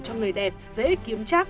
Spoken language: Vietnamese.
cho người đẹp dễ kiếm chắc